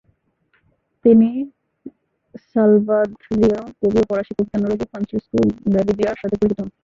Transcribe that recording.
তিনি সালভাদরীয় কবি ও ফরাসি কবিতানুরাগী ফ্রান্সিসকো গাভিদিয়া’র সাথে পরিচিত হন।